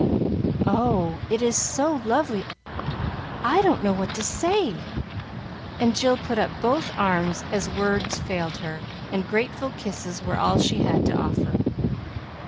"Oh, it is so lovely I don't know what to say!" and Jill put up both arms, as words failed her, and grateful kisses were all she had to offer.